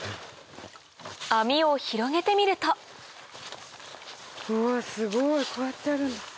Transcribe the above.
網を広げてみるとうわっすごいこうやってやるんだ。